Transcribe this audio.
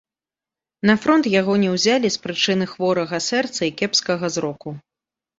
На фронт яго не ўзялі з прычыны хворага сэрца і кепскага зроку.